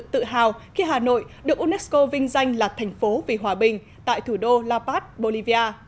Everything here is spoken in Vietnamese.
tự hào khi hà nội được unesco vinh danh là thành phố vì hòa bình tại thủ đô la paz bolivia